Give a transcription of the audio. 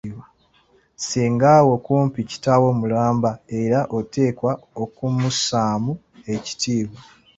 "Ssengawo kumpi kitaawo mulamba, era oteekwa okumussaamu ekitiibwa."